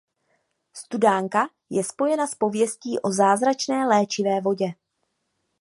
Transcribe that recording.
Studánka je spojena s pověstí o zázračné léčivé vodě.